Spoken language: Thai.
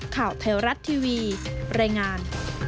ข่าวเทวรัฐทีวีแรงงาน